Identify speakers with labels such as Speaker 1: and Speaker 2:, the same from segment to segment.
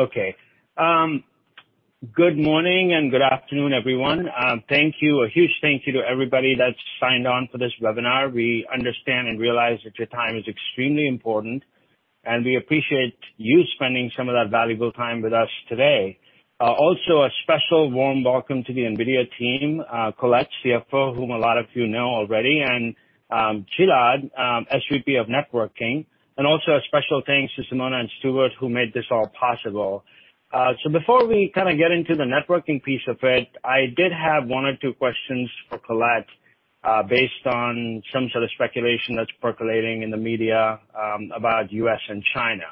Speaker 1: Okay. Good morning and good afternoon, everyone. Thank you. A huge thank you to everybody that's signed on for this webinar. We understand and realize that your time is extremely important, and we appreciate you spending some of that valuable time with us today. Also, a special warm welcome to the NVIDIA team, Colette, CFO, whom a lot of you know already, and Gilad, SVP of Networking. Also a special thanks to Simona and Stuart, who made this all possible. Before we kind of get into the networking piece of it, I did have one or two questions for Colette, based on some sort of speculation that's percolating in the media, about U.S. and China.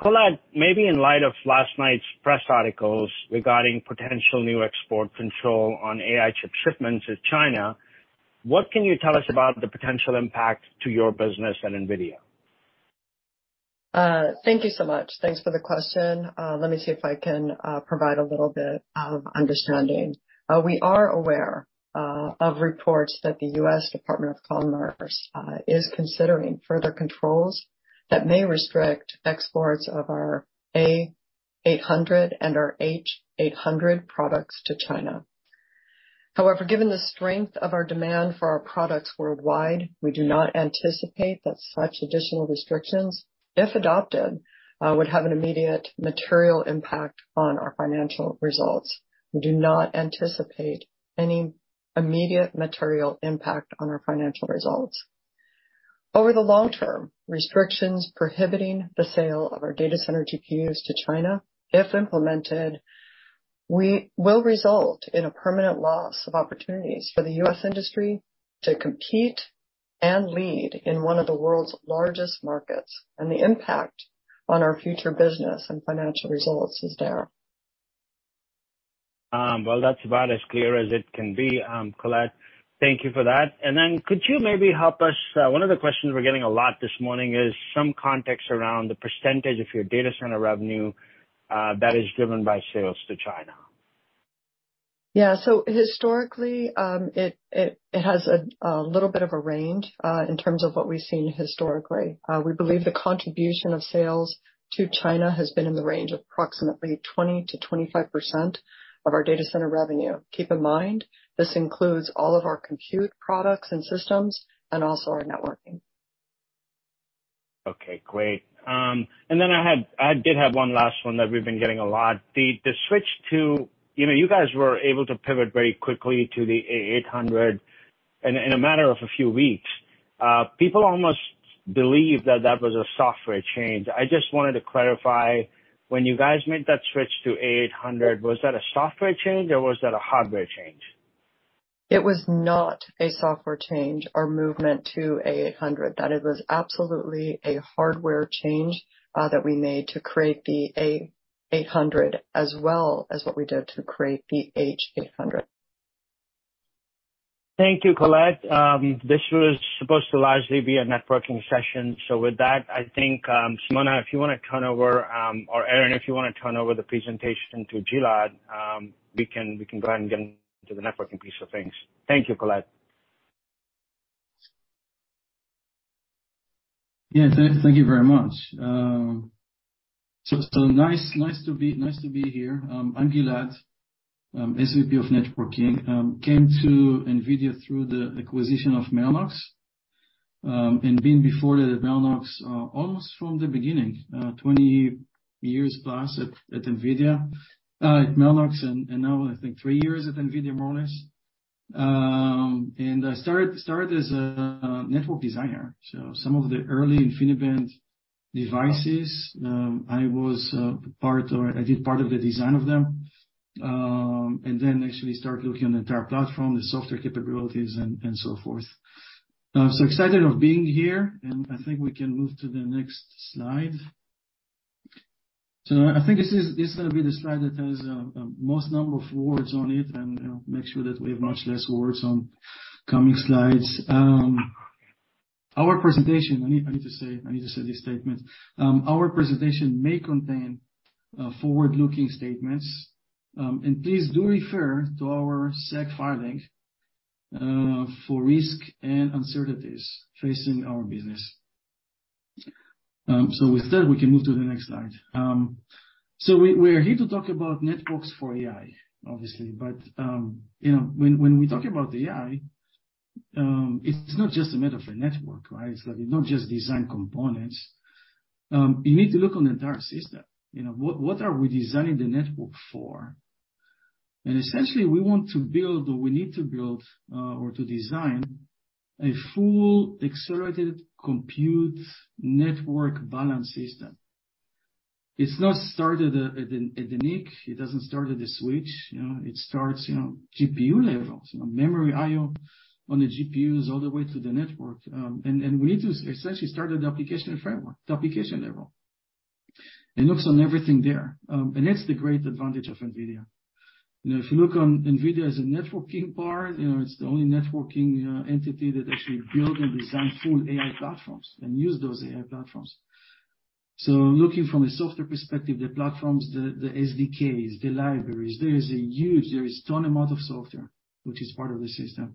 Speaker 1: Colette, maybe in light of last night's press articles regarding potential new export control on AI chip shipments to China, what can you tell us about the potential impact to your business at NVIDIA?
Speaker 2: Thank you so much. Thanks for the question. Let me see if I can provide a little bit of understanding. We are aware of reports that the U.S. Department of Commerce is considering further controls that may restrict exports of our A800 and our H800 products to China. However, given the strength of our demand for our products worldwide, we do not anticipate that such additional restrictions, if adopted, would have an immediate material impact on our financial results. We do not anticipate any immediate material impact on our financial results. Over the long term, restrictions prohibiting the sale of our data center GPUs to China, if implemented, we will result in a permanent loss of opportunities for the U.S. industry to compete and lead in one of the world's largest markets, and the impact on our future business and financial results is there.
Speaker 1: Well, that's about as clear as it can be, Colette. Thank you for that. Could you maybe one of the questions we're getting a lot this morning is some context around the percentage of your data center revenue that is driven by sales to China.
Speaker 2: Historically, it has a little bit of a range in terms of what we've seen historically. We believe the contribution of sales to China has been in the range of approximately 20%-25% of our data center revenue. Keep in mind, this includes all of our compute products and systems and also our networking.
Speaker 1: Okay, great. I did have one last one that we've been getting a lot. The switch to, you know, you guys were able to pivot very quickly to the A800 in a matter of a few weeks. People almost believe that that was a software change. I just wanted to clarify, when you guys made that switch to A800, was that a software change or was that a hardware change?
Speaker 2: It was not a software change, our movement to A800. It was absolutely a hardware change, that we made to create the A800, as well as what we did to create the H800.
Speaker 1: Thank you, Colette. This was supposed to largely be a networking session. With that, I think, Simona, if you want to turn over, or Aaron, if you want to turn over the presentation to Gilad, we can go ahead and get into the networking piece of things. Thank you, Colette.
Speaker 3: Yeah, thank you very much. Nice, nice to be, nice to be here. I'm Gilad, SVP of Networking. Came to NVIDIA through the acquisition of Mellanox, and been before that at Mellanox, almost from the beginning, 20 years plus at NVIDIA, at Mellanox, and now, I think three years at NVIDIA, more or less. I started as a network designer. Some of the early InfiniBand devices, I was part or I did part of the design of them. Actually started looking at the entire platform, the software capabilities and so forth. Excited of being here, and I think we can move to the next slide. I think this is, this is going to be the slide that has most number of words on it, and make sure that we have much less words on coming slides. Our presentation, I need to say this statement. Our presentation may contain forward-looking statements, and please do refer to our SEC filings for risk and uncertainties facing our business. With that, we can move to the next slide. We're here to talk about networks for AI, obviously. You know, when we talk about AI, it's not just a matter of a network, right? It's like not just design components. You need to look on the entire system. You know, what are we designing the network for? Essentially, we want to build or design a full accelerated compute network balance system. It's not started at the NIC. It doesn't start at the switch. You know, it starts, you know, GPU levels, you know, memory I/O on the GPUs all the way to the network. And we need to essentially start at the application framework, the application level. It looks on everything there. And that's the great advantage of NVIDIA. You know, if you look on NVIDIA as a networking part, you know, it's the only networking entity that actually build and design full AI platforms and use those AI platforms. Looking from a software perspective, the platforms, the SDKs, the libraries, there is huge, there is ton amount of software which is part of the system.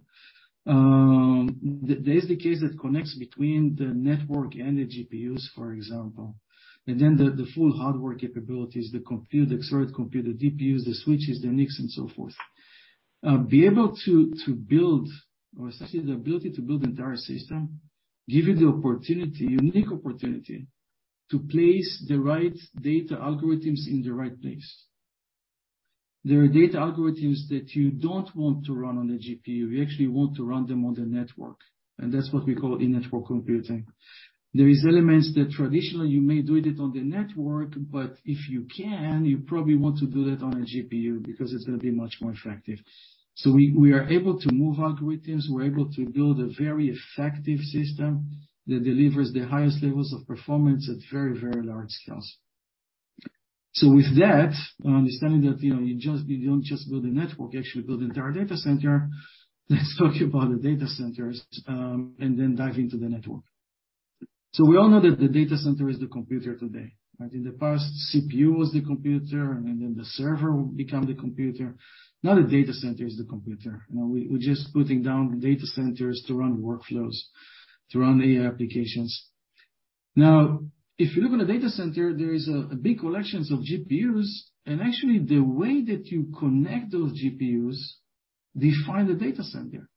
Speaker 3: There is the case that connects between the network and the GPUs, for example, and then the full hardware capabilities, the compute, the accelerated compute, the DPUs, the switches, the NICs, and so forth. Be able to build or see the ability to build the entire system, give you the opportunity, unique opportunity, to place the right data algorithms in the right place. There are data algorithms that you don't want to run on a GPU. We actually want to run them on the network, and that's what we call in-network computing. There is elements that traditionally you may do it on the network, but if you can, you probably want to do that on a GPU because it's going to be much more effective. We are able to move algorithms, we're able to build a very effective system that delivers the highest levels of performance at very, very large scales. With that, understanding that, you know, you don't just build a network, you actually build the entire data center. Let's talk about the data centers, and then dive into the network. We all know that the data center is the computer today, right? In the past, CPU was the computer, and then the server will become the computer. Now, the data center is the computer. You know, we're just putting down data centers to run workflows, to run AI applications. Now, if you look on the data center, there is a big collections of GPUs, and actually, the way that you connect those GPUs define the data center.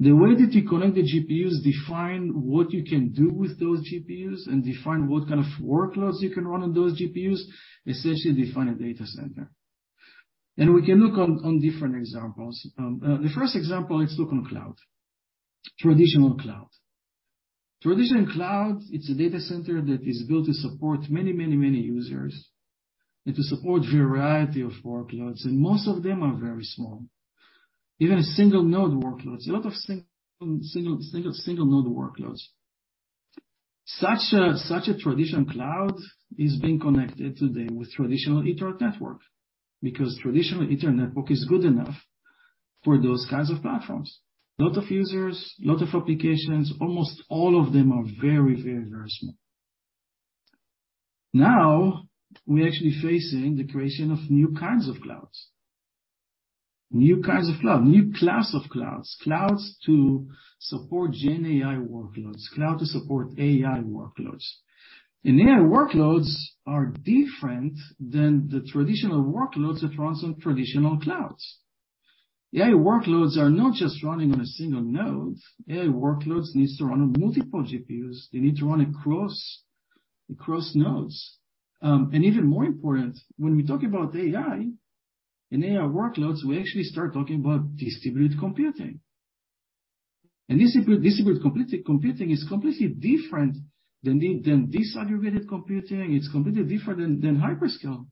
Speaker 3: The way that you connect the GPUs define what you can do with those GPUs and define what kind of workloads you can run on those GPUs, essentially define a data center. We can look on different examples. The first example, let's look on cloud. Traditional cloud. Traditional cloud, it's a data center that is built to support many, many, many users and to support variety of workloads, and most of them are very small. Even a single node workloads, a lot of single node workloads. Such a traditional cloud is being connected today with traditional Ethernet network, because traditional Ethernet network is good enough for those kinds of platforms. Lot of users, lot of applications, almost all of them are very, very, very small. We're actually facing the creation of new kinds of clouds. New kinds of clouds, new class of clouds. Clouds to support GenAI workloads, cloud to support AI workloads. AI workloads are different than the traditional workloads that runs on traditional clouds. AI workloads are not just running on a single node. AI workloads needs to run on multiple GPUs. They need to run across nodes. Even more important, when we talk about AI and AI workloads, we actually start talking about distributed computing. Distributed computing is completely different than the, than disaggregated computing. It's completely different than hyperscale.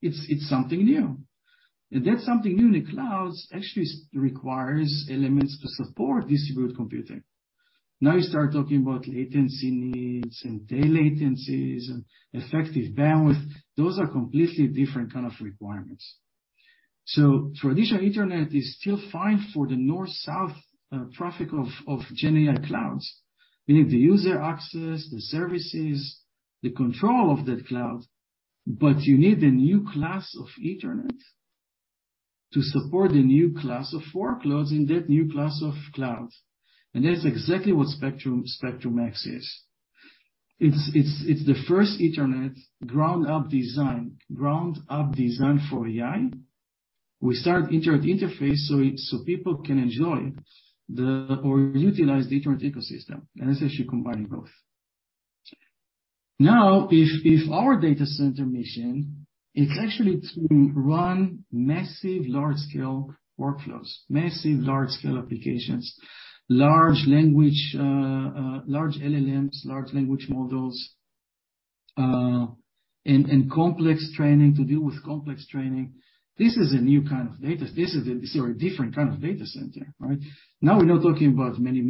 Speaker 3: It's something new. That something new in the clouds actually requires elements to support distributed computing. Now, you start talking about latency needs and day latencies and effective bandwidth. Those are completely different kind of requirements. Traditional Ethernet is still fine for the north-south traffic of GenAI clouds. You need the user access, the services, the control of that cloud, but you need a new class of Ethernet to support the new class of workloads in that new class of clouds. That's exactly what Spectrum-X is. It's the first Ethernet ground-up design for AI. We start internet interface so people can enjoy the or utilize the internet ecosystem, and essentially combining both. If our data center mission, it's actually to run massive large-scale workflows, massive large-scale applications, large language, large LLMs, large language models, and complex training, to deal with complex training. This is a new kind of data. This is a different kind of data center, right? We're not talking about many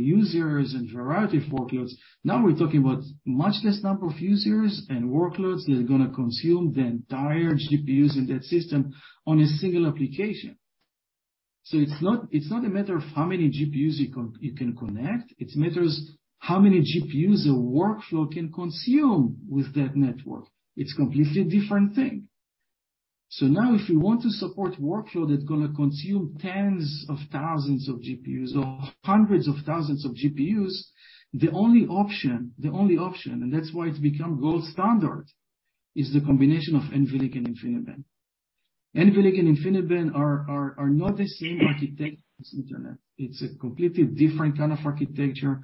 Speaker 3: users and variety of workloads. We're talking about much less number of users and workloads that are gonna consume the entire GPUs in that system on a single application. It's not a matter of how many GPUs you can connect, it matters how many GPUs a workflow can consume with that network. It's completely different thing. Now, if you want to support workload, that's gonna consume tens of thousands of GPUs or hundreds of thousands of GPUs, the only option, and that's why it's become gold standard, is the combination of NVLink and InfiniBand. NVLink and InfiniBand are not the same architecture as Ethernet. It's a completely different kind of architecture,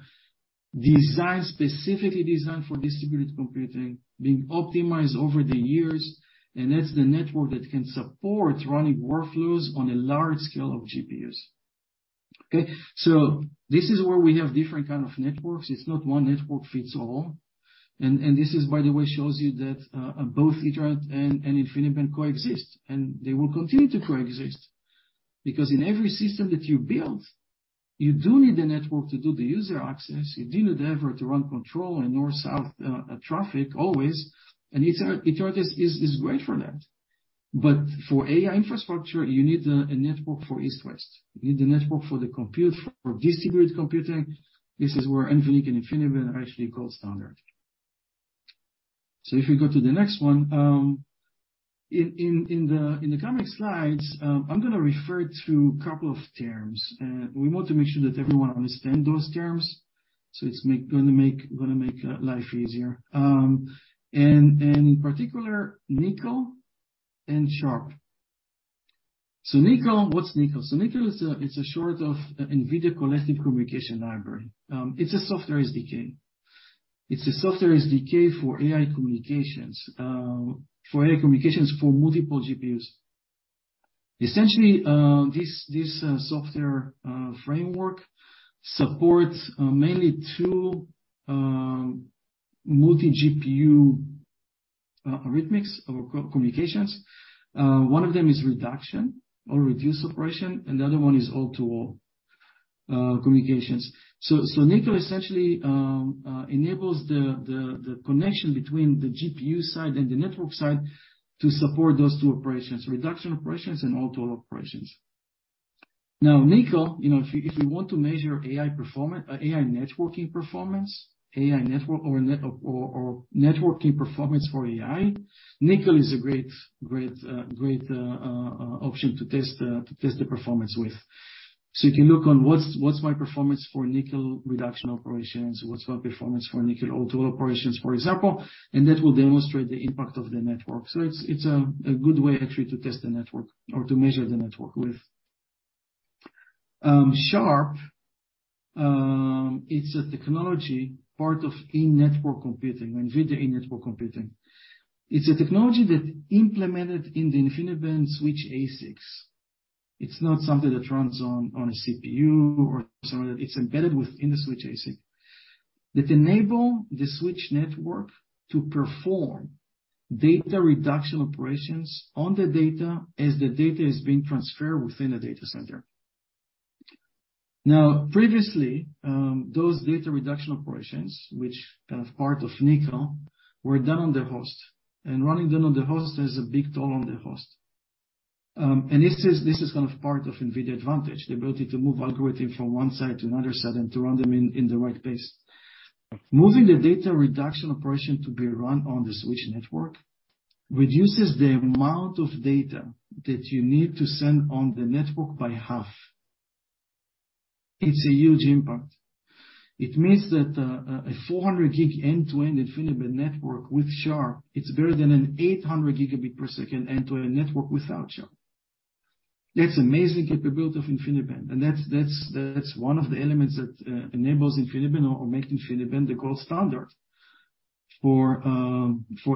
Speaker 3: specifically designed for distributed computing, being optimized over the years, and that's the network that can support running workflows on a large scale of GPUs. Okay? This is where we have different kind of networks. It's not one network fits all. This is, by the way, shows you that both Ethernet and InfiniBand coexist, and they will continue to coexist. Because in every system that you build, you do need a network to do the user access, you do need the effort to run control and north-south traffic always, and Ethernet is great for that. For AI infrastructure, you need a network for east-west. You need the network for the compute, for distributed computing. This is where NVLink and InfiniBand are actually gold standard. If you go to the next one, in the coming slides, I'm gonna refer to a couple of terms, and we want to make sure that everyone understand those terms, so it's gonna make life easier. And in particular, NCCL and SHARP. NCCL, what's NCCL? NCCL is a short of NVIDIA Collective Communications Library. It's a software SDK. It's a software SDK for AI communications for multiple GPUs. Essentially, this software framework supports mainly two multi-GPU arithmetics or co-communications. One of them is reduction or reduce operation, and the other one is all-to-all communications. NCCL essentially enables the connection between the GPU side and the network side to support those two operations: reduction operations and all-to-all operations. NCCL, you know, if you want to measure AI networking performance, or networking performance for AI, NCCL is a great option to test the performance with. You can look on what's my performance for NCCL reduction operations? What's my performance for NCCL all-to-all operations, for example, and that will demonstrate the impact of the network. It's a good way actually to test the network or to measure the network with. SHARP, it's a technology part of in-network computing, NVIDIA in-network computing. It's a technology that implemented in the InfiniBand switch ASICs. It's not something that runs on a CPU or something. It's embedded within the switch ASIC, that enable the switch network to perform data reduction operations on the data as the data is being transferred within a data center. Previously, those data reduction operations, which are part of NCCL, were done on the host. Running them on the host is a big toll on the host. This is kind of part of NVIDIA advantage, the ability to move algorithm from one side to another side and to run them in the right place. Moving the data reduction operation to be run on the switch network reduces the amount of data that you need to send on the network by half. It's a huge impact. It means that a 400 gig end-to-end InfiniBand network with SHARP, it's better than an 800 gigabit per second end-to-end network without SHARP. That's amazing capability of InfiniBand, that's one of the elements that enables InfiniBand or make InfiniBand the gold standard for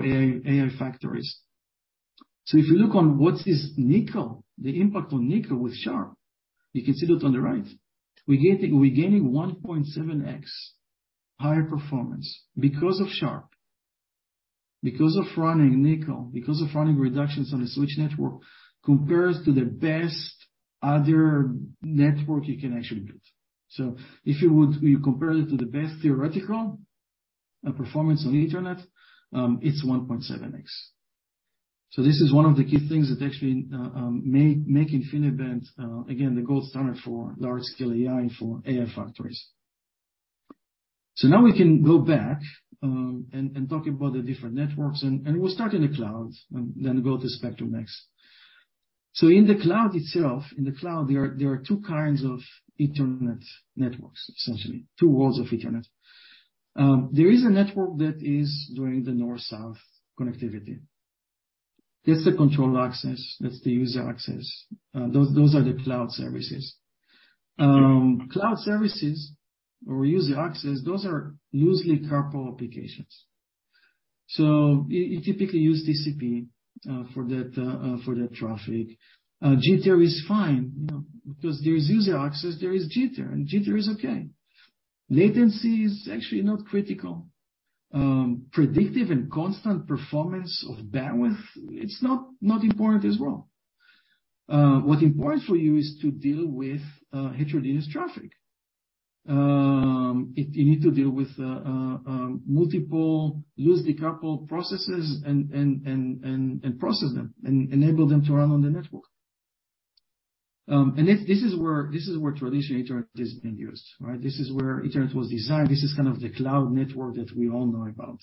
Speaker 3: AI factories. If you look on what's this NCCL, the impact on NCCL with SHARP, you can see that on the right. We're gaining 1.7x higher performance because of SHARP, because of running NCCL, because of running reductions on the switch network, compares to the best other network you can actually get. If you compare it to the best theoretical performance on the internet, it's 1.7x. This is one of the key things that actually make InfiniBand again the gold standard for large-scale AI, for AI factories. Now we can go back and talk about the different networks, and we'll start in the cloud, and then go to Spectrum next. In the cloud itself, in the cloud, there are two kinds of internet networks, essentially, two worlds of internet. There is a network that is doing the north-south connectivity. That's the control access. That's the user access. Those are the cloud services. Cloud services or user access, those are usually couple applications. You typically use TCP for that traffic. Jitter is fine, you know, because there is user access, there is jitter, and jitter is okay. Latency is actually not critical. Predictive and constant performance of bandwidth, it's not important as well. What's important for you is to deal with heterogeneous traffic. You need to deal with multiple loosely coupled processes and process them and enable them to run on the network. This, this is where, this is where traditional internet has been used, right? This is where internet was designed. This is kind of the cloud network that we all know about.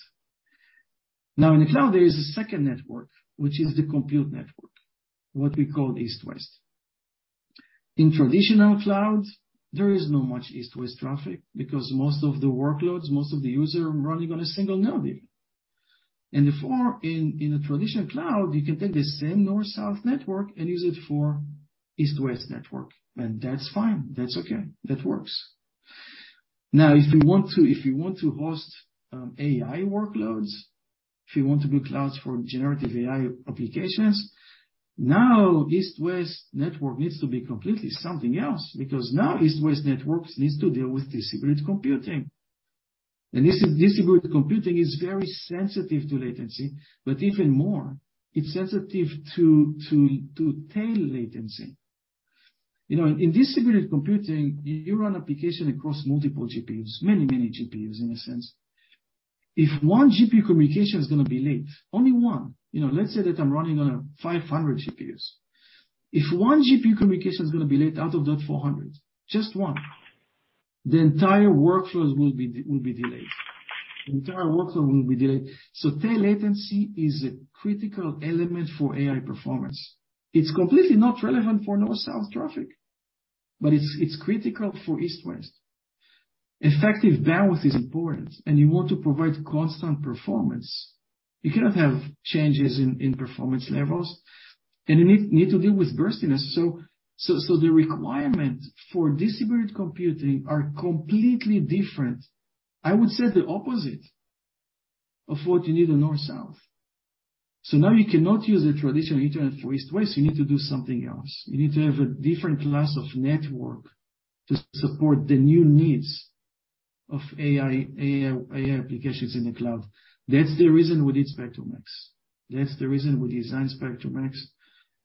Speaker 3: Now, in the cloud, there is a second network, which is the compute network, what we call east-west. In traditional clouds, there is no much east-west traffic because most of the workloads, most of the user are running on a single node even. Therefore, in a traditional cloud, you can take the same north-south network and use it for east-west network, and that's fine. That's okay. That works. Now, if you want to host AI workloads, if you want to build clouds for generative AI applications, now, east-west network needs to be completely something else, because now east-west networks needs to deal with distributed computing. This is distributed computing is very sensitive to latency, but even more, it's sensitive to tail latency. You know, in distributed computing, you run application across multiple GPUs, many GPUs, in a sense. If one GPU communication is gonna be late, only one, you know, let's say that I'm running on a 500 GPUs. If one GPU communication is gonna be late out of that 400, just one. the entire workflows will be delayed. The entire workflow will be delayed. Tail latency is a critical element for AI performance. It's completely not relevant for north-south traffic, but it's critical for east-west. Effective bandwidth is important, and you want to provide constant performance. You cannot have changes in performance levels, and you need to deal with burstiness. The requirement for distributed computing are completely different, I would say the opposite of what you need in north-south. Now you cannot use a traditional internet for east-west. You need to do something else. You need to have a different class of network to support the new needs of AI applications in the cloud. That's the reason we did Spectrum-X. That's the reason we designed Spectrum-X,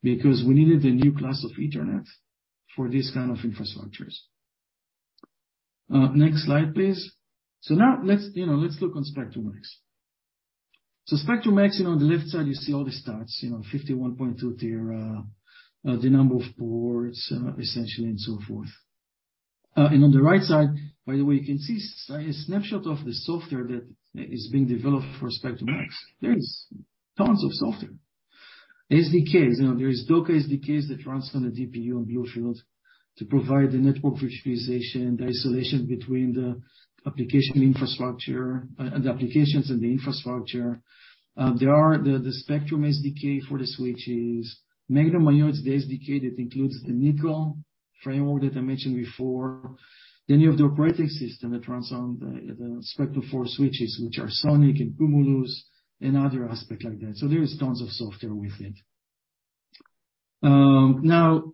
Speaker 3: because we needed a new class of Ethernet for these kind of infrastructures. Next slide, please. Now let's, you know, let's look on Spectrum-X. Spectrum-X, you know, on the left side, you see all the stats, you know, 51.2 tera, the number of ports, essentially, and so forth. On the right side, by the way, you can see a snapshot of the software that is being developed for Spectrum-X. There is tons of software. SDKs, you know, there is DOCA SDKs that runs on the DPU on BlueFields to provide the network virtualization, the isolation between the application infrastructure, the applications and the infrastructure. There are the Spectrum-SDK for the switches. Magnum IO, the SDK that includes the NCCL framework that I mentioned before. You have the operating system that runs on the Spectrum-4 switches, which are SONiC and Cumulus, and other aspects like that. There is tons of software with it. Now,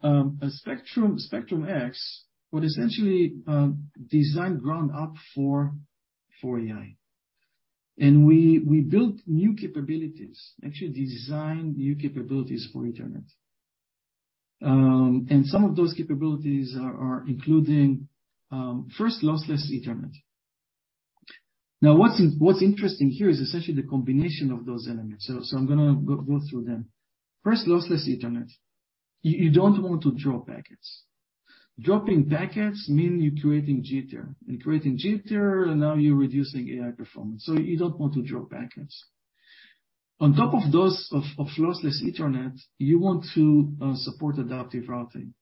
Speaker 3: Spectrum-X was essentially designed ground up for AI. We built new capabilities, actually designed new capabilities for Ethernet. And some of those capabilities are including, first, lossless Ethernet. What's interesting here is essentially the combination of those elements. I'm gonna go through them. First, lossless Ethernet. You don't want to drop packets. Dropping packets mean you're creating jitter, and creating jitter, and now you're reducing AI performance. You don't want to drop packets. On top of those of lossless Ethernet, you want to support adaptive routing.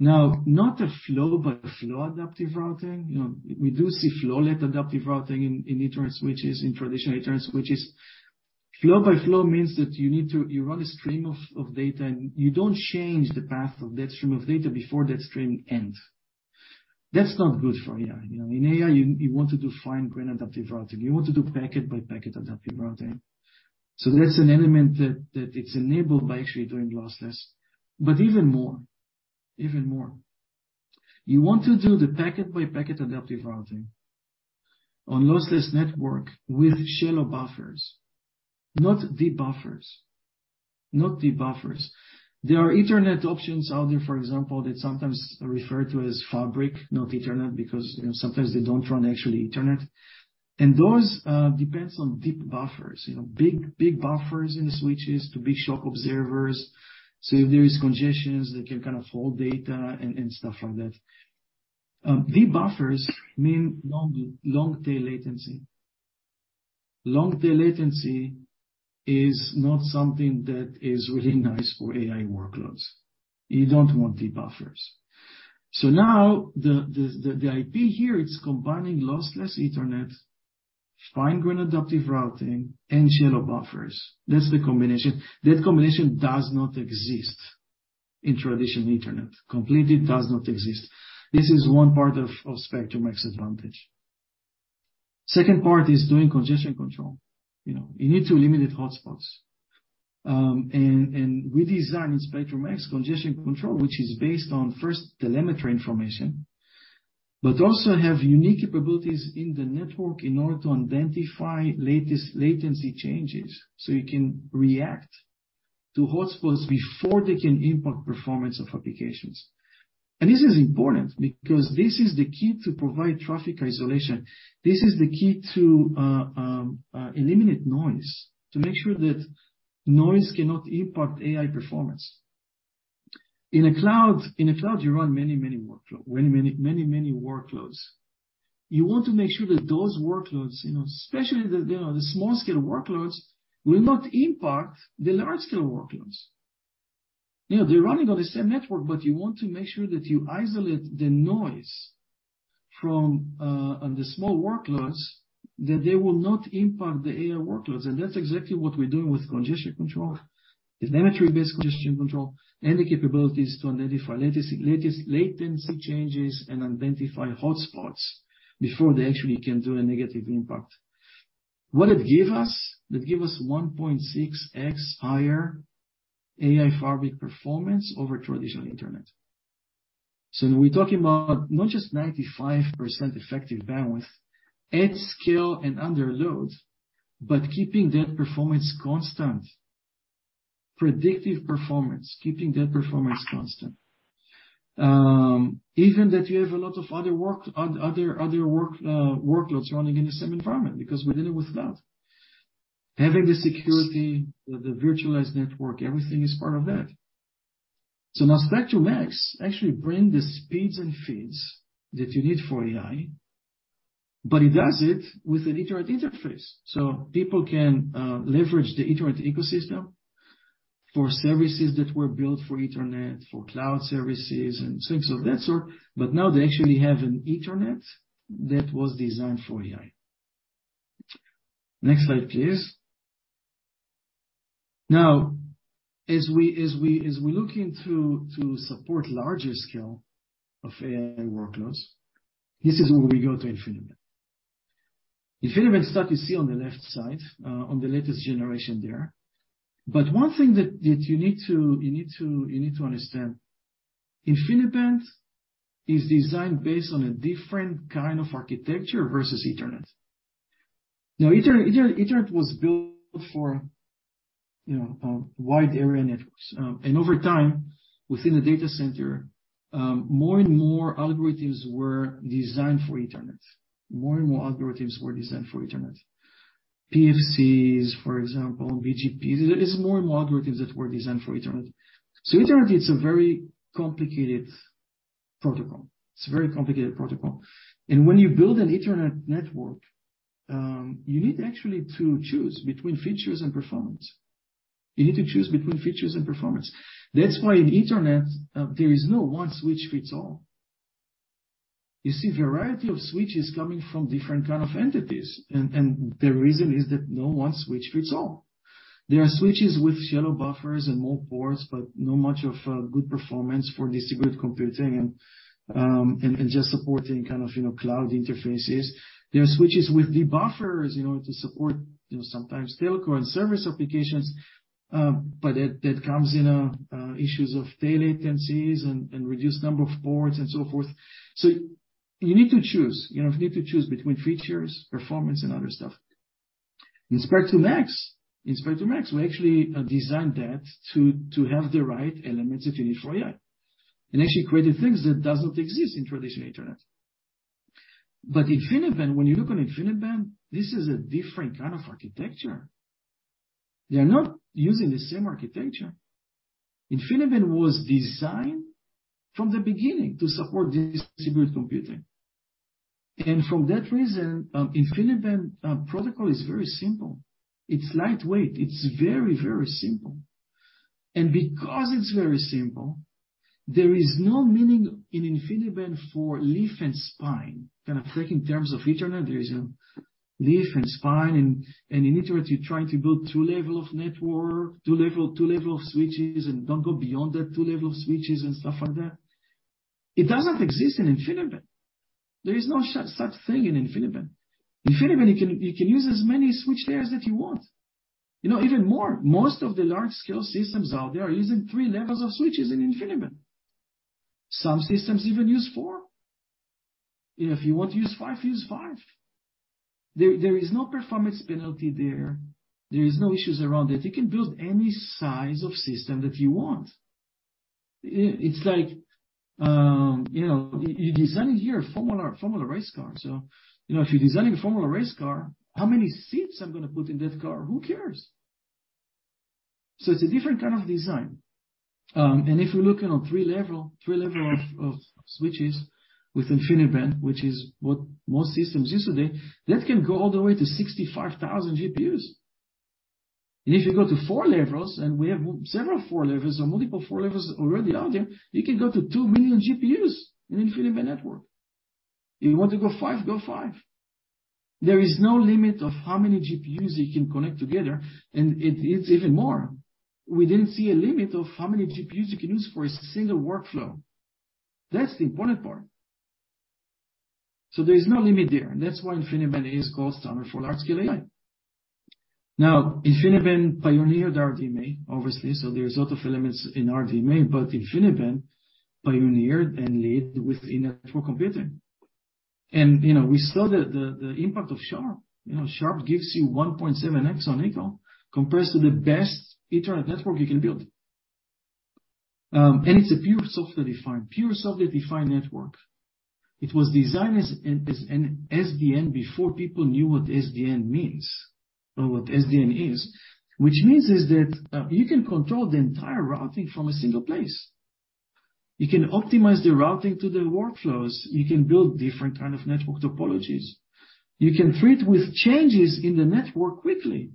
Speaker 3: Not a flow-by-flow adaptive routing. You know, we do see flow-led adaptive routing in internet switches, in traditional internet switches. Flow-by-flow means that you need to run a stream of data, and you don't change the path of that stream of data before that stream ends. That's not good for AI. You know, in AI, you want to do fine-grain adaptive routing. You want to do packet-by-packet adaptive routing. That's an element that it's enabled by actually doing lossless. Even more, you want to do the packet-by-packet adaptive routing on lossless network with shallow buffers, not deep buffers. Not deep buffers. There are internet options out there, for example, that sometimes referred to as fabric, not internet, because, you know, sometimes they don't run actually internet. Those depends on deep buffers, you know, big buffers in the switches to big shock absorbers. If there is congestion, they can kind of hold data and stuff like that. Deep buffers mean long tail latency. Long tail latency is not something that is really nice for AI workloads. You don't want deep buffers. Now, the IP here, it's combining lossless Ethernet, fine-grained adaptive routing, and shallow buffers. That's the combination. That combination does not exist in traditional Ethernet. Completely does not exist. This is one part of Spectrum-X advantage. Second part is doing congestion control. You know, you need to eliminate hotspots. We design in Spectrum-X, congestion control, which is based on first telemetry information, but also have unique capabilities in the network in order to identify latest latency changes, so you can react to hotspots before they can impact performance of applications. This is important because this is the key to provide traffic isolation. This is the key to eliminate noise, to make sure that noise cannot impact AI performance. In a cloud, in a cloud, you run many, many workload. Many workloads. You want to make sure that those workloads, you know, especially the, you know, the small-scale workloads, will not impact the large-scale workloads. You know, they're running on the same network, but you want to make sure that you isolate the noise from on the small workloads, that they will not impact the AI workloads. That's exactly what we're doing with congestion control, the telemetry-based congestion control, and the capabilities to identify latest latency changes and identify hotspots before they actually can do a negative impact. What it give us? That give us 1.6x higher AI fabric performance over traditional internet. We're talking about not just 95% effective bandwidth at scale and under load, but keeping that performance constant. Predictive performance, keeping that performance constant. Even that you have a lot of other work workloads running in the same environment, because we did it without having the security, the virtualized network, everything is part of that. Now Spectrum-X actually bring the speeds and feeds that you need for AI, but it does it with an Ethernet interface. People can leverage the Ethernet ecosystem for services that were built for Ethernet, for cloud services and things of that sort. Now they actually have an Ethernet that was designed for AI. Next slide, please. As we're looking to support larger scale of AI workloads, this is where we go to InfiniBand. InfiniBand start to see on the left side on the latest generation there. One thing that you need to understand, InfiniBand is designed based on a different kind of architecture versus Ethernet. Ethernet was built for, you know, wide area networks. Over time, within the data center, more and more algorithms were designed for Ethernet. More and more algorithms were designed for Ethernet. PFCs, for example, BGPs. There's more and more algorithms that were designed for Ethernet. Ethernet, it's a very complicated protocol, and when you build an Ethernet network, you need actually to choose between features and performance. You need to choose between features and performance. That's why in Ethernet, there is no one switch fits all. You see a variety of switches coming from different kind of entities, and the reason is that no one switch fits all. There are switches with shallow buffers and more ports, but not much of good performance for distributed computing and just supporting kind of, you know, cloud interfaces. There are switches with deep buffers in order to support, you know, sometimes telco and service applications, but that comes in issues of tail latencies and reduced number of ports and so forth. You need to choose. You know, you need to choose between features, performance, and other stuff. In Spectrum-X, we actually designed that to have the right elements that you need for AI, actually created things that doesn't exist in traditional internet. InfiniBand, when you look on InfiniBand, this is a different kind of architecture. They are not using the same architecture. InfiniBand was designed from the beginning to support distributed computing. From that reason, InfiniBand protocol is very simple. It's lightweight. It's very, very simple. Because it's very simple, there is no meaning in InfiniBand for leaf and spine. Kind of thinking in terms of Ethernet, there is a leaf and spine, and in Ethernet, you're trying to build two level of network, two level of switches, don't go beyond that two level of switches and stuff like that. It doesn't exist in InfiniBand. There is no such thing in InfiniBand. InfiniBand, you can use as many switch layers that you want. You know, even more, most of the large-scale systems out there are using three levels of switches in InfiniBand. Some systems even use four. You know, if you want to use five, use five. There is no performance penalty there. There is no issues around that. You can build any size of system that you want. It's like, you know, you're designing here a formula race car. You know, if you're designing a formula race car, how many seats I'm going to put in that car? Who cares? It's a different kind of design. If you're looking on three level of switches with InfiniBand, which is what most systems use today, that can go all the way to 65,000 GPUs. If you go to four levels, and we have several four levels or multiple four levels already out there, you can go to two million GPUs in InfiniBand network. If you want to go five, go five. There is no limit of how many GPUs you can connect together, and it's even more. We didn't see a limit of how many GPUs you can use for a single workflow. That's the important part. There is no limit there, and that's why InfiniBand is called standard for large scale AI. InfiniBand pioneered RDMA, obviously, so there's a lot of elements in RDMA, but InfiniBand pioneered and lead with in-network computing. You know, we saw the impact of SHARP. You know, SHARP gives you 1.7x on ECO, compared to the best Ethernet network you can build. It's a pure software-defined network. It was designed as an SDN before people knew what SDN means or what SDN is, which means is that you can control the entire routing from a single place. You can optimize the routing to the workflows. You can build different kind of network topologies. You can treat with changes in the network quickly.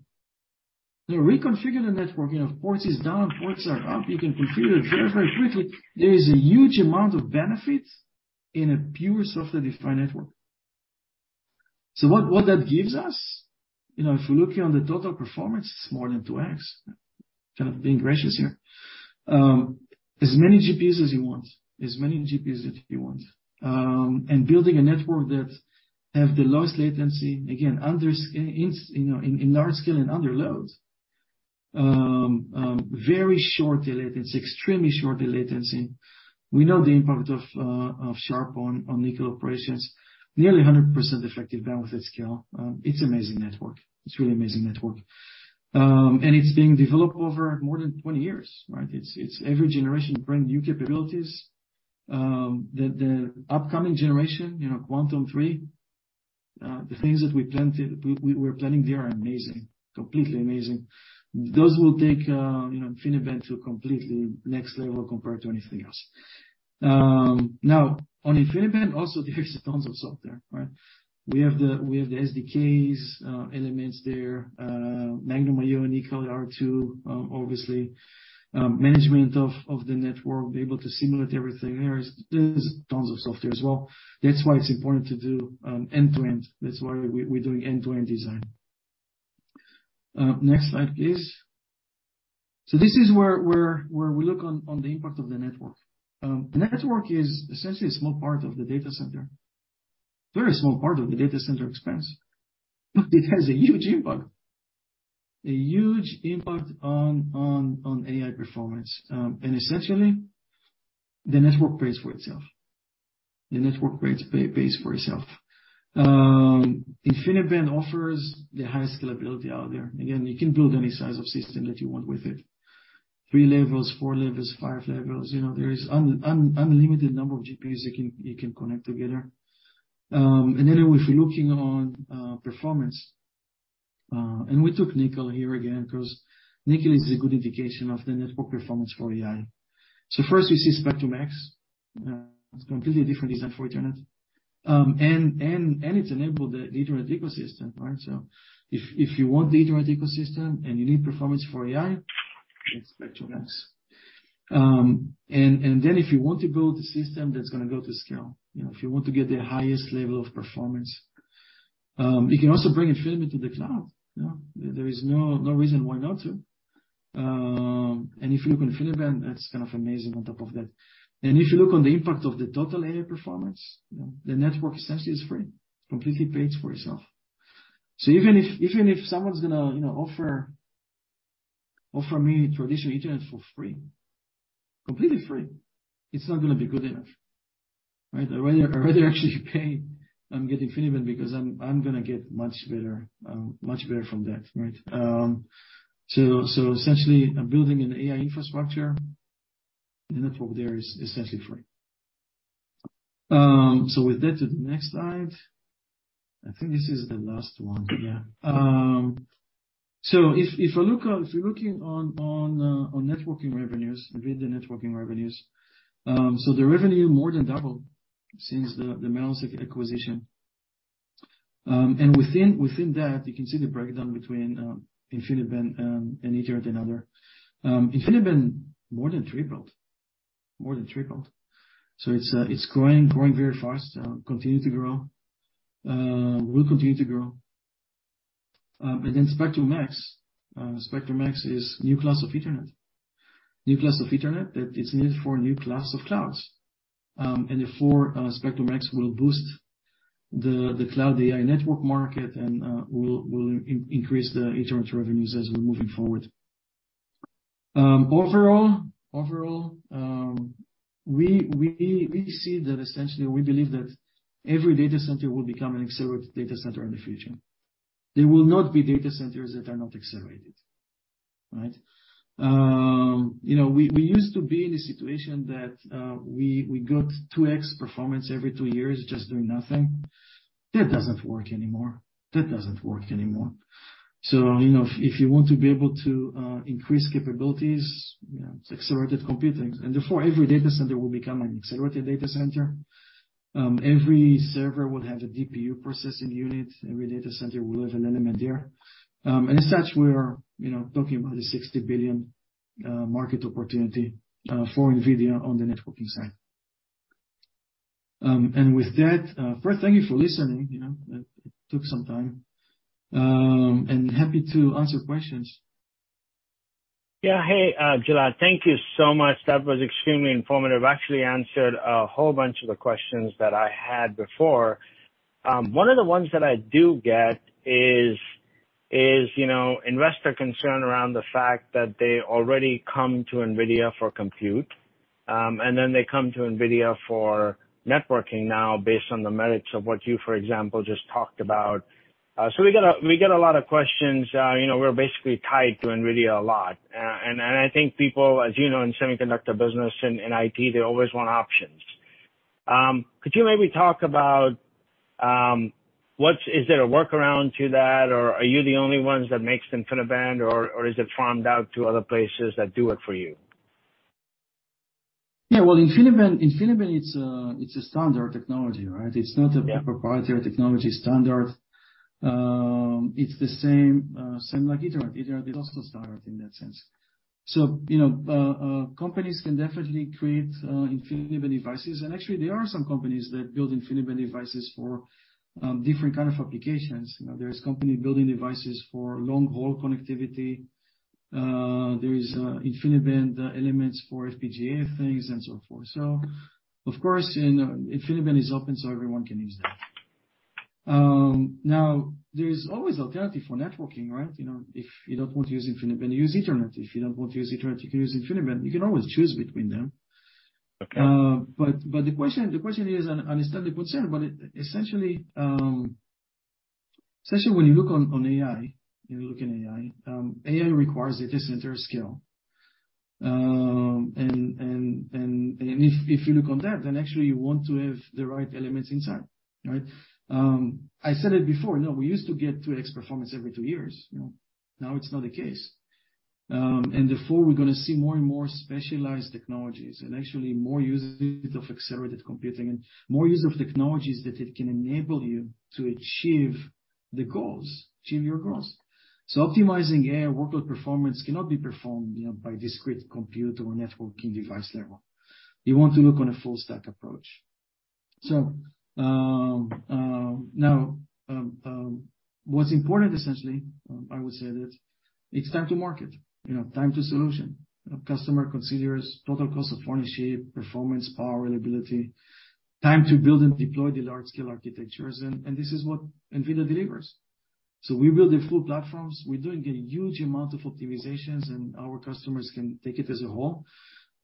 Speaker 3: You reconfigure the network, you know, ports is down, ports are up. You can reconfigure it very quickly. There is a huge amount of benefits in a pure software-defined network. What that gives us? You know, if we're looking on the total performance, it's more than 2x. Kind of being gracious here. As many GPUs that you want. Building a network that have the lowest latency, again, under in, you know, in large scale and under load. Very short delay latency, extremely short delay latency. We know the impact of SHARP on ECO operations. Nearly 100% effective bandwidth scale. It's amazing network. It's really amazing network. It's being developed over more than 20 years, right? It's every generation bring new capabilities. The upcoming generation, you know, Quantum-3, the things that we planted, we were planning, they are amazing, completely amazing. Those will take, you know, InfiniBand to a completely next level compared to anything else. Now, on InfiniBand, also, there's tons of software, right? We have the SDKs, elements there. Magnum IO and NCCL are two, obviously, management of the network, be able to simulate everything. There is, there's tons of software as well. That's why it's important to do end-to-end. That's why we're doing end-to-end design. Next slide, please. This is where we look on the impact of the network. The network is essentially a small part of the data center, very small part of the data center expense, but it has a huge impact, a huge impact on AI performance. And essentially, the network pays for itself. The network pays for itself. InfiniBand offers the highest scalability out there. Again, you can build any size of system that you want with it. Three levels, four levels, 5 levels, you know, there is unlimited number of GPUs you can connect together. If we're looking on performance, and we took NCCL here again, 'cause NCCL is a good indication of the network performance for AI. First, we see Spectrum-X. It's completely a different design for Ethernet. It's enabled the Ethernet ecosystem, right? If you want the Ethernet ecosystem and you need performance for AI, it's Spectrum-X. If you want to build a system that's gonna go to scale, you know, if you want to get the highest level of performance, you can also bring InfiniBand to the cloud. You know, there is no reason why not to. If you look on InfiniBand, that's kind of amazing on top of that. If you look on the impact of the total AI performance, you know, the network essentially is free, completely pays for itself. Even if, even if someone's gonna, you know, offer me traditional internet for free, completely free, it's not gonna be good enough, right? I'd rather, I'd rather actually pay and get InfiniBand because I'm gonna get much better, much better from that, right? Essentially, I'm building an AI infrastructure. The network there is essentially free. With that, to the next slide. I think this is the last one. Yeah. If you're looking on networking revenues, read the networking revenues. The revenue more than doubled since the Mellanox acquisition. Within that, you can see the breakdown between InfiniBand and Ethernet and other. InfiniBand more than tripled. More than tripled. It's growing very fast, continue to grow, will continue to grow. Then Spectrum-X. Spectrum-X is new class of Ethernet. New class of Ethernet, that it's needed for a new class of clouds. Therefore, Spectrum-X will boost the cloud AI network market and will increase the Ethernet revenues as we're moving forward. Overall, we see that essentially, we believe that every data center will become an accelerated data center in the future. There will not be data centers that are not accelerated, right? You know, we used to be in a situation that we got 2x performance every two years, just doing nothing. That doesn't work anymore. That doesn't work anymore. You know, if you want to be able to increase capabilities, you know, it's accelerated computing, and therefore, every data center will become an accelerated data center. Every server will have a DPU processing unit. Every data center will have an element there. As such, we are, you know, talking about a $60 billion market opportunity for NVIDIA on the networking side. With that, first, thank you for listening. You know, it took some time, and happy to answer questions.
Speaker 1: Hey, Gilad, thank you so much. That was extremely informative. Actually answered a whole bunch of the questions that I had before. One of the ones that I do get is, you know, investor concern around the fact that they already come to NVIDIA for compute, and then they come to NVIDIA for networking now, based on the merits of what you, for example, just talked about. We get a lot of questions, you know, we're basically tied to NVIDIA a lot. I think people, as you know, in semiconductor business and in IT, they always want options. Could you maybe talk about what's... Is there a workaround to that, or are you the only ones that makes InfiniBand, or is it farmed out to other places that do it for you?
Speaker 3: Yeah, well, InfiniBand, it's a standard technology, right?
Speaker 1: Yeah.
Speaker 3: It's not a proprietary technology standard. It's the same like Ethernet. Ethernet is also standard in that sense. You know, companies can definitely create InfiniBand devices. Actually, there are some companies that build InfiniBand devices for different kind of applications. You know, there's company building devices for long-haul connectivity. There is InfiniBand elements for FPGA things and so forth. Of course, you know, InfiniBand is open, so everyone can use that. There's always alternative for networking, right? You know, if you don't want to use InfiniBand, use Ethernet. If you don't want to use Ethernet, you can use InfiniBand. You can always choose between them.
Speaker 1: Okay.
Speaker 3: The question is, I understand the concern, essentially, especially when you look on AI, you look in AI requires data center scale. If you look on that, then actually you want to have the right elements inside, right? I said it before, you know, we used to get 2x performance every two years, you know. Now it's not the case. Therefore we're gonna see more and more specialized technologies and actually more usage of accelerated computing and more use of technologies that it can enable you to achieve your goals. Optimizing, yeah, workload performance cannot be performed, you know, by discrete compute or networking device level. You want to look on a full stack approach. Now, what's important, essentially, I would say that it's time to market, you know, time to solution. A customer considers total cost of ownership, performance, power, reliability, time to build and deploy the large-scale architectures, and this is what NVIDIA delivers. We build the full platforms. We're doing a huge amount of optimizations, and our customers can take it as a whole.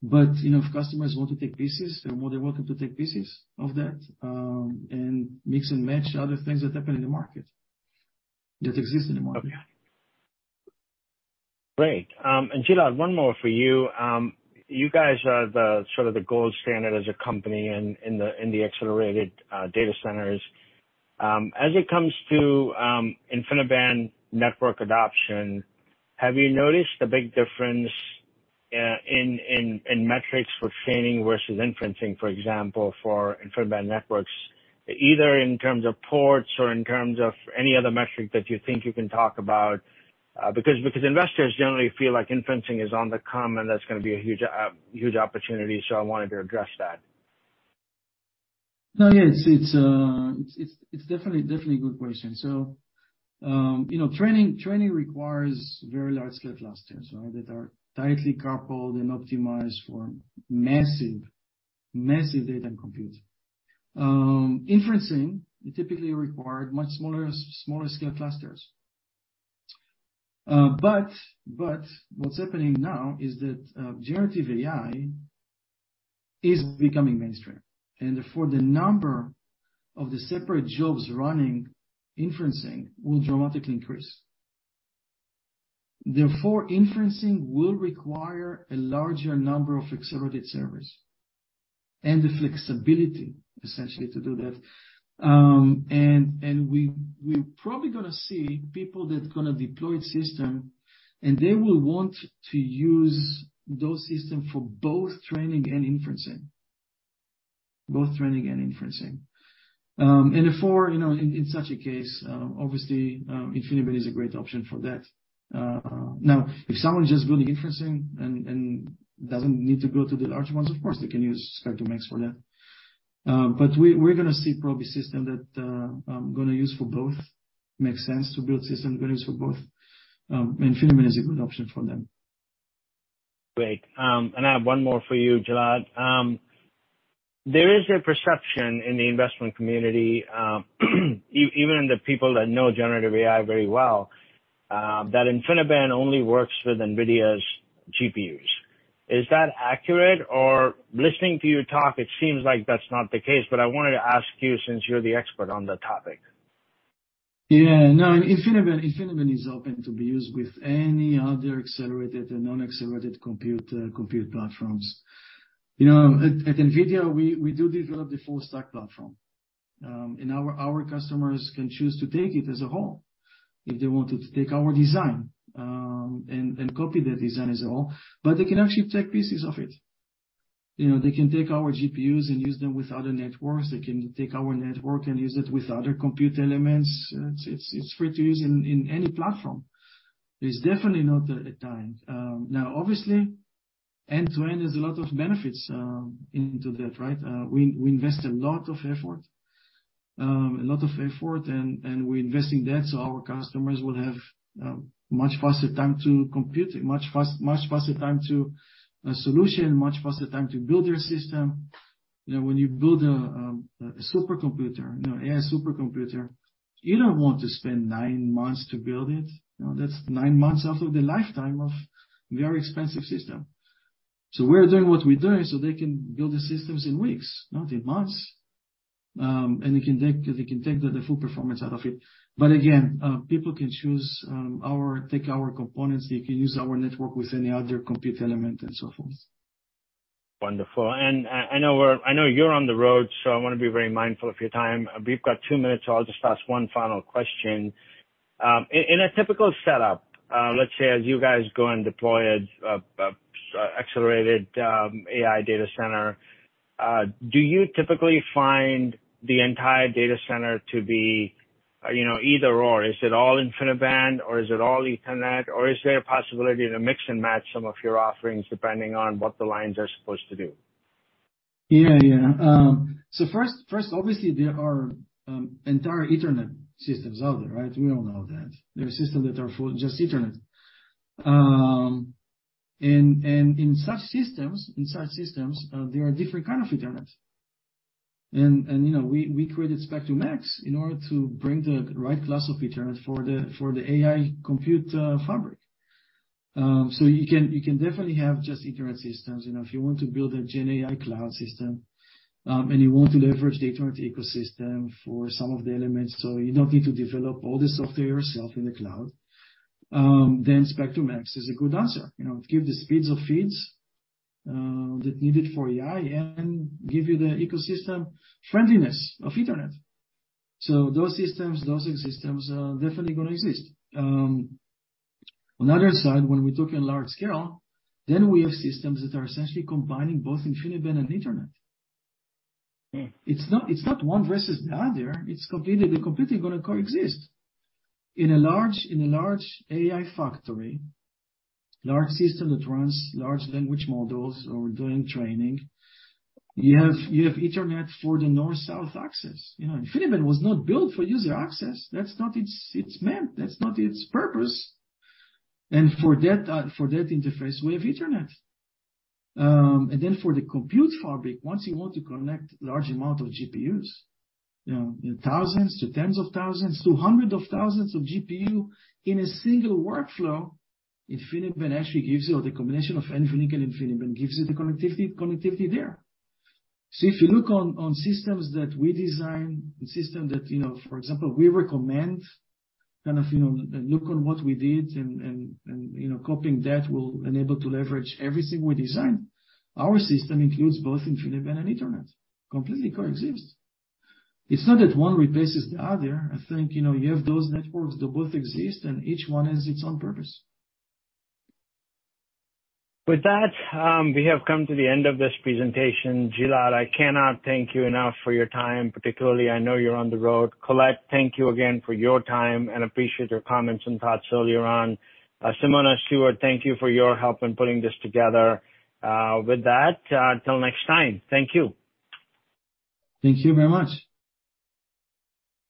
Speaker 3: You know, if customers want to take pieces, then well, they're welcome to take pieces of that, and mix and match other things that happen in the market, that exist in the market.
Speaker 1: Great. Gilad, one more for you. You guys are the sort of the gold standard as a company in the accelerated data centers. As it comes to InfiniBand network adoption, have you noticed a big difference in metrics for training versus inferencing, for example, for InfiniBand networks, either in terms of ports or in terms of any other metric that you think you can talk about? Because investors generally feel like inferencing is on the come, and that's gonna be a huge opportunity, so I wanted to address that.
Speaker 3: No, yes, it's definitely a good question. You know, training requires very large-scale clusters, right? That are tightly coupled and optimized for massive data and compute. Inferencing, it typically required much smaller scale clusters. But what's happening now is that generative AI is becoming mainstream, and therefore, the number of the separate jobs running inferencing will dramatically increase. Therefore, inferencing will require a larger number of accelerated servers and the flexibility, essentially, to do that. And we're probably gonna see people that's gonna deploy system, and they will want to use those system for both training and inferencing. Both training and inferencing. You know, in such a case, obviously, InfiniBand is a great option for that. Now, if someone's just doing inferencing and doesn't need to go to the large ones, of course, they can use Spectrum X for that. We're gonna see probably system that, gonna use for both. Makes sense to build system that is for both, and InfiniBand is a good option for them.
Speaker 1: Great. I have one more for you, Gilad. There is a perception in the investment community, even the people that know generative AI very well, that InfiniBand only works with NVIDIA's GPUs. Is that accurate? Listening to you talk, it seems like that's not the case, but I wanted to ask you since you're the expert on the topic.
Speaker 3: Yeah, no, InfiniBand is open to be used with any other accelerated and non-accelerated compute compute platforms. You know, at NVIDIA, we do develop the full stack platform, and our customers can choose to take it as a whole if they wanted to take our design and copy the design as a whole. They can actually take pieces of it. You know, they can take our GPUs and use them with other networks. They can take our network and use it with other compute elements. It's, it's free to use in any platform. It's definitely not tied. Now, obviously, end-to-end, there's a lot of benefits into that, right? We invest a lot of effort, and we're investing that so our customers will have much faster time to compute, much faster time to solution, much faster time to build their system. You know, when you build a supercomputer, you know, AI supercomputer, you don't want to spend nine months to build it. You know, that's nine months out of the lifetime of very expensive system. We're doing what we're doing so they can build the systems in weeks, not in months. And they can take the full performance out of it. Again, people can choose take our components. They can use our network with any other compute element and so forth.
Speaker 1: Wonderful. I know you're on the road, I want to be very mindful of your time. We've got two minutes, I'll just ask one final question. In a typical setup, let's say as you guys go and deploy a accelerated AI data center, do you typically find the entire data center to be, you know, either or? Is it all InfiniBand, or is it all Ethernet, or is there a possibility to mix and match some of your offerings depending on what the lines are supposed to do?
Speaker 3: Yeah, yeah. First, obviously, there are entire Ethernet systems out there, right? We all know that. There are systems that are for just Ethernet. In such systems, there are different kind of Ethernet. You know, we created Spectrum-X in order to bring the right class of Ethernet for the AI compute fabric. You can definitely have just Ethernet systems. You know, if you want to build a GenAI cloud system, and you want to leverage the Ethernet ecosystem for some of the elements, you don't need to develop all the software yourself in the cloud, Spectrum-X is a good answer. You know, it give the speeds of feeds that needed for AI and give you the ecosystem friendliness of Ethernet. Those systems are definitely going to exist. On the other side, when we're talking large scale, we have systems that are essentially combining both InfiniBand and Ethernet. It's not one versus the other. They're completely going to coexist. In a large AI factory, large system that runs large language models or doing training, you have Ethernet for the North-South access. You know, InfiniBand was not built for user access. That's not its. That's not its purpose. For that interface, we have Ethernet. For the compute fabric, once you want to connect large amount of GPUs, you know, thousands to tens of thousands to hundreds of thousands of GPU in a single workflow, InfiniBand actually gives you or the combination of InfiniBand gives you the connectivity there. If you look on systems that we design, the system that, you know, for example, we recommend, kind of, you know, look on what we did and, you know, copying that will enable to leverage everything we design. Our system includes both InfiniBand and Ethernet, completely coexist. It's not that one replaces the other. I think, you know, you have those networks, they both exist, and each one has its own purpose.
Speaker 1: With that, we have come to the end of this presentation. Gilad, I cannot thank you enough for your time, particularly, I know you're on the road. Colette, thank you again for your time and appreciate your comments and thoughts earlier on. Simona, Stuart, thank you for your help in putting this together. With that, till next time. Thank you.
Speaker 3: Thank you very much.